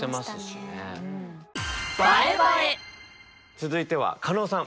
続いては加納さん